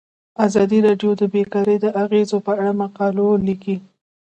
ازادي راډیو د بیکاري د اغیزو په اړه مقالو لیکلي.